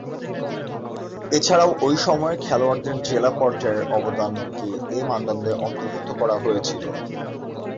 এছাড়াও ঐ সময়ে খেলোয়াড়দের জেলা পর্যায়ের অবদানকে এ মানদণ্ডে অন্তর্ভুক্ত করা হয়েছিল।